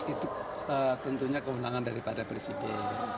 itu tentunya kewenangan daripada presiden